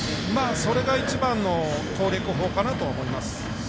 それが一番の攻略法かなとは思います。